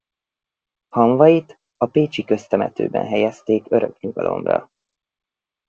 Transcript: Hamvait a pécsi köztemetőben helyezték örök nyugalomra.